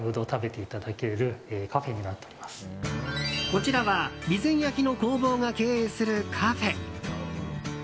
こちらは備前焼の工房が経営するカフェ。